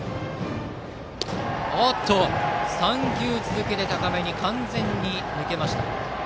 ３球続けて高めに完全に抜けました。